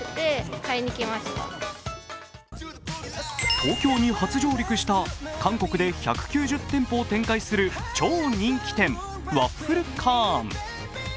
東京に初上陸した韓国で１９０店舗を展開する超人気店、ワッフルカーン。